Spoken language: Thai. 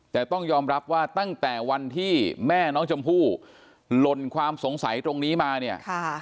แต่ต้องยอมรับว่าตั้งแต่วันที่แม่น้องชมพู่หล่นความสงสัยตรงนี้มาเนี่ย